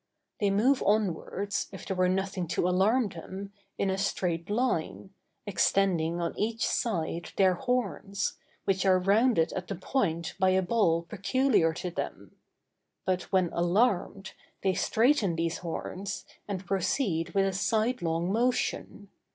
They move onwards, if there were nothing to alarm them, in a straight line, extending on each side their horns, which are rounded at the point by a ball peculiar to them; but when alarmed, they straighten these horns, and proceed with a sidelong motion.